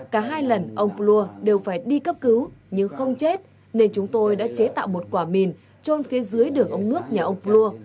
cả hai lần ông plua đều phải đi cấp cứu nhưng không chết nên chúng tôi đã chế tạo một quả mìn trôn phía dưới đường ống nước nhà ông plua